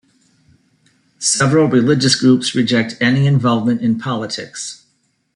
Several religious groups reject any involvement in politics.